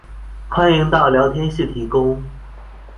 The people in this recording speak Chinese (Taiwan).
歡迎到聊天室提供